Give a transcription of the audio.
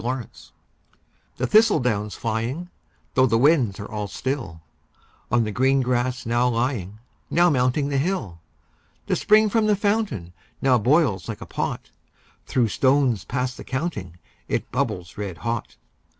Autumn The thistle down's flying, though the winds are all still, On the green grass now lying, now mounting the hill, The spring from the fountain now boils like a pot; Through stones past the counting it bubbles red hot.